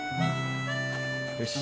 よし。